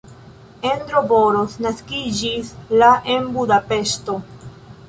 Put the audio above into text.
Endre Boros naskiĝis la en Budapeŝto.